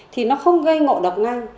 thì nó không gây ngộ độc ngang